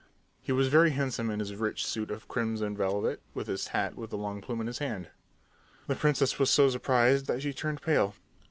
He was very handsome in his rich suit of crimson velvet, with his hat with the long plume in his hand. The princess was so surprised that she turned pale.